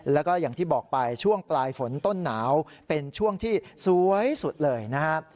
แล้วก็อย่างที่บอกไปช่วงปลายฝนต้นหนาวเป็นช่วงที่สวยสุดเลยนะครับ